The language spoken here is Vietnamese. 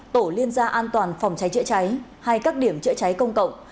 tổ liên gia an toàn phòng cháy chữa cháy hay các điểm chữa cháy công cộng